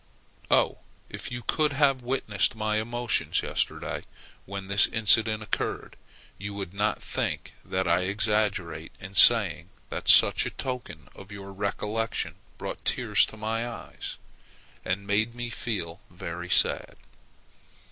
Oh! if you could have witnessed my emotions yesterday when this incident occurred, you would not think that I exaggerate in saying that such a token of your recollection brought tears to my eyes, and made me feel very sad.